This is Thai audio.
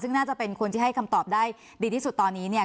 ซึ่งน่าจะเป็นคนที่ให้คำตอบได้ดีที่สุดตอนนี้เนี่ย